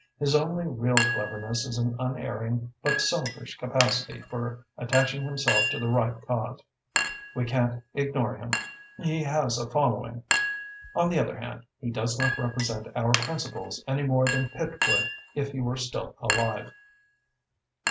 His only real cleverness is an unerring but selfish capacity for attaching himself to the right cause. We can't ignore him. He has a following. On the other hand, he does not represent our principles any more than Pitt would if he were still alive."